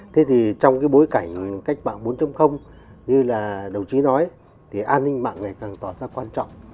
thế thì trong cái bối cảnh cách mạng bốn như là đồng chí nói thì an ninh mạng ngày càng tỏ ra quan trọng